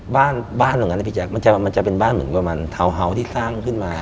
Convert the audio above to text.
บ้านเหมือนกันนะพี่แจ๊คมันจะเป็นบ้านเหมือนกับทาวน์เฮาส์ที่สร้างขึ้นมา